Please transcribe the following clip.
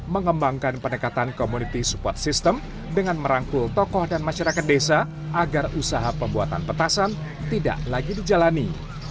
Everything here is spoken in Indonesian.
mengembangkan pendekatan community support system dengan merangkul tokoh dan masyarakat desa agar usaha pembuatan petasan tidak lagi dijalani